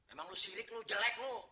emang lu sirik lu jelek loh